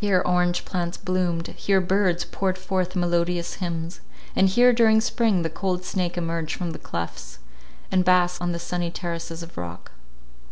Here orange plants bloomed, here birds poured forth melodious hymns; and here, during spring, the cold snake emerged from the clefts, and basked on the sunny terraces of rock.